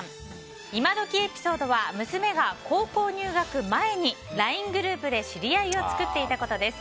今どきエピソードは娘が高校入学前にＬＩＮＥグループで知り合いを作っていたことです。